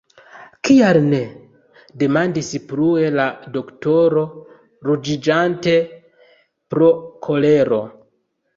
Kial ne? demandis plue la doktoro, ruĝiĝante pro kolero.